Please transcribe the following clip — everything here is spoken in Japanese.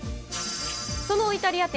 そのイタリア展